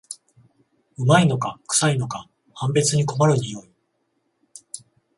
旨いのかくさいのか判別に困る匂い